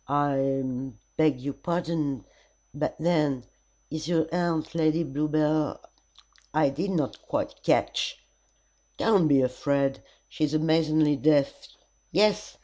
"I beg your pardon but then is your aunt Lady Bluebell? I did not quite catch " "Don't be afraid. She is amazingly deaf. Yes.